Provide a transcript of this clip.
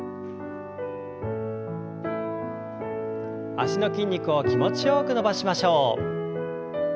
脚の筋肉を気持ちよく伸ばしましょう。